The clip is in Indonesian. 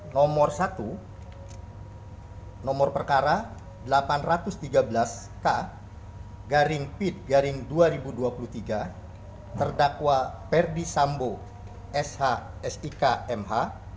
nomor satu nomor perkara delapan ratus tiga belas k garing pit garing dua ribu dua puluh tiga terdakwa ferdi sambo sh sik mh